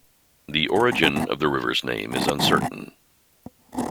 The origin of the river's name is uncertain.